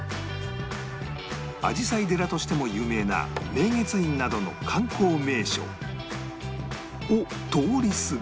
あじさい寺としても有名な明月院などの観光名所を通り過ぎ